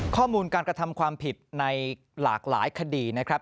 ข้อมูลการกระทำความผิดในหลากหลายคดีนะครับ